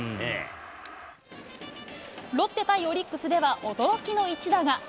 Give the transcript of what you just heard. ロッテ対オリックスでは、驚きの一打が。